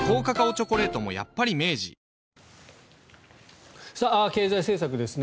チョコレートもやっぱり明治経済政策ですね。